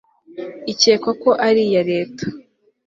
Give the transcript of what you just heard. ikekwa ko ari iya leta